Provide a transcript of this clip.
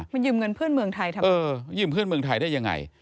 มันยืมเงินเพื่อนเมืองไทยทำไมเออยืมเพื่อนเมืองไทยได้ยังไง